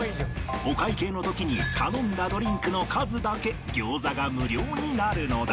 お会計の時に頼んだドリンクの数だけ餃子が無料になるのだ。